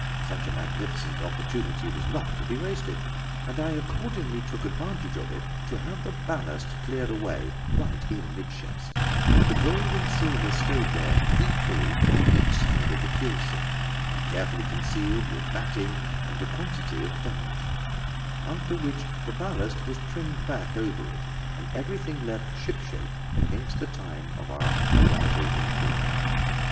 Such a magnificent opportunity was not to be wasted; and I accordingly took advantage of it to have the ballast cleared away right in midships, and the gold and silver stowed there equally on each side of the keelson, and carefully concealed with matting and a quantity of dunnage; after which the ballast was trimmed back over it and everything left shipshape against the time of our arrival in port.